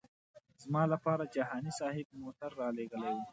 زما لپاره جهاني صاحب موټر رالېږلی و.